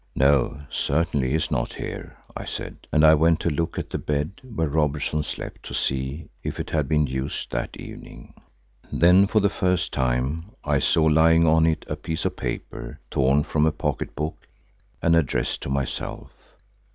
"No, certainly he is not here," I said, and I went to look at the bed where Robertson slept to see if it had been used that evening. Then for the first time I saw lying on it a piece of paper torn from a pocketbook and addressed to myself.